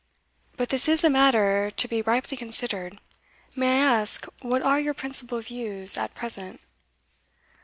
But this is a matter to be ripely considered. May I ask what are your principal views at present?"